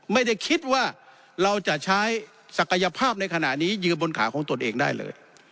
ไม่ได้คิดว่าเราจะใช้ศักยภาพในขณะนี้ยืนบนขาของตนเองได้เลย